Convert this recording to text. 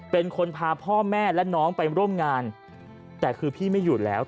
เป็นคนพาพ่อแม่และน้องไปร่วมงานแต่คือพี่ไม่อยู่แล้ว